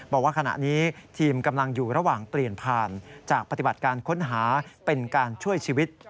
บอกว่าขณะนี้ทีมกำลังอยู่ระหว่างเปลี่ยนผ่านจากปฏิบัติการค้นหาเป็นการช่วยชีวิต